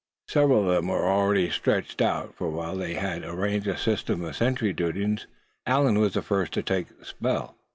Several of them were already stretched out, for while they had arranged a system of sentry duties, Allan was to take the first spell.